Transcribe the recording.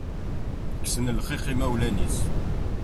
Kksen lxiq imawlan-is.